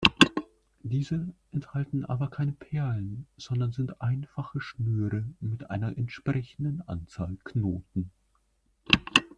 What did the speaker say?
Diese enthalten aber keine Perlen, sondern sind einfache Schnüre mit einer entsprechenden Anzahl Knoten.